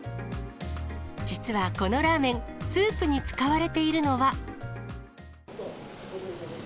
実はこのラーメン、スープに使われているのは。